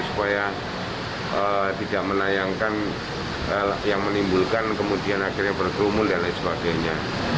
supaya tidak menayangkan yang menimbulkan kemudian akhirnya berkerumun dan lain sebagainya